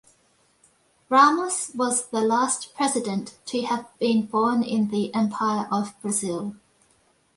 Ramos was the last President to have been born in the Empire of Brazil.